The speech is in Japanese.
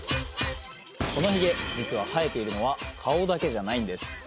このヒゲ実は生えているのは顔だけじゃないんです。